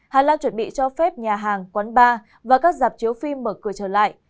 hà lan chuẩn bị cho phép nhà hàng quán bar và các dạp chiếu phim mở cửa trở lại